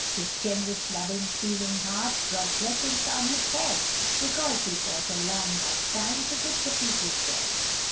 His generous, loving, feeling heart Brought blessings on his head, Because he fought a long lifetime, "To give the people bread."